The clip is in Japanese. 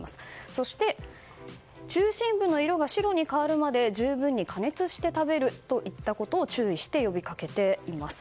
そして中心部の色が白に変わるまで十分に加熱して食べるといったことを注意して呼びかけています。